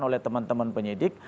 oleh teman teman penyidik